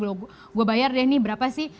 gue bayar deh ini berapa sih